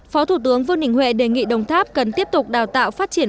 phó thủ tướng vương đình huệ đề nghị đồng tháp cần tiếp tục đào tạo phát triển